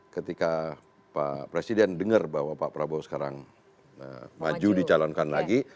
ketika pak presiden dengar bahwa pak prabowo sekarang maju dicalonkan lagi